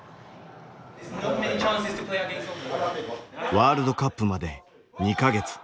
ワールドカップまで２か月。